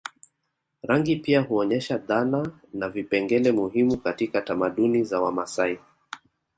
Rangi pia huonyesha dhana na vipengele muhimu katika tamaduni za Wamasai